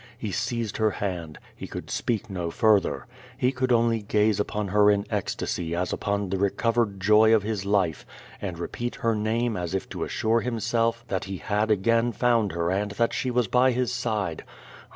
He seized her hand. He could s])eak no further. He could only gaze upon her in ecstasy as ujion the recovered joy of his life, and re peat her name as if to assure himself that he had again found her and that she was by his side.